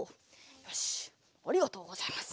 よしありがとうございます。